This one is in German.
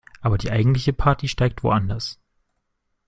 Aber die eigentliche Party steigt woanders.